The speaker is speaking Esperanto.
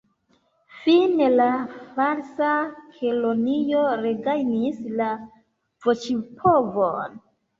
Fine la Falsa Kelonio regajnis la voĉpovon.